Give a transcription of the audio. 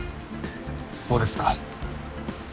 そうですか。